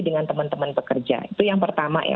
dengan teman teman pekerja itu yang pertama ya